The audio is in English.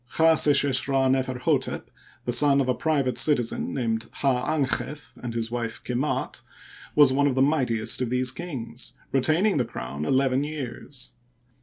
Chdseshesh Rd Neferhdtep, the son of a private citizen named Hd dnchef and his wife Kemdt, was one of the mightiest of these kings, retaining the crown eleven years.